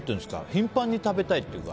頻繁に食べたいというか。